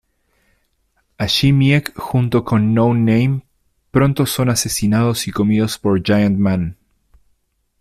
Allí Miek junto con No-Name pronto son asesinados y comidos por Giant-Man.